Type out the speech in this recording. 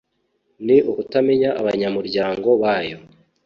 ni ukutamenya abanyamuryango bayo